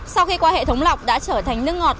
sau khi qua hệ thống lọc đã trở thành nước ngọt